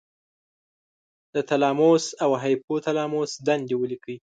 د تلاموس او هایپو تلاموس دندې ولیکئ.